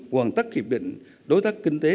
hoàn tắc hiệp định đối tác kinh tế